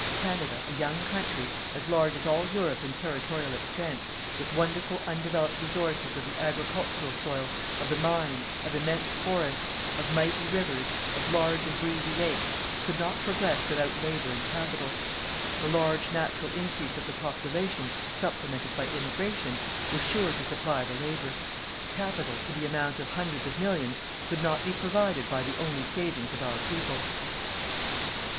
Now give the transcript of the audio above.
Canada, a young country, as large as all Europe in territorial extent, with wonderful undeveloped resources of the agricultural soil, of the mines, of immense forests, of mighty rivers, of large and breezy lakes, could not progress without labour and capital. The large natural increase of the population, supplemented by immigration, was sure to supply the labour. Capital, to the amount of hundreds of millions, could not be provided by the only savings of our people.